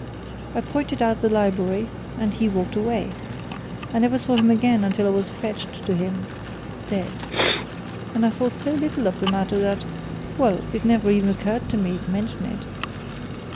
"I pointed out the Library and he walked away. I never saw him again until I was fetched to him dead. And I thought so little of the matter that well, it never even occurred to me to mention it."